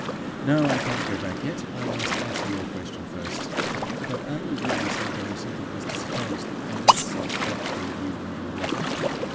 "No; I can't go back yet; I must answer your question first. But are you really so very simple as to suppose that I don't see straight through you and your letter?